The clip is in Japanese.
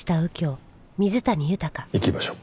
行きましょう。